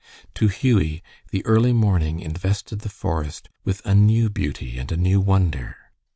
To Hughie, the early morning invested the forest with a new beauty and a new wonder.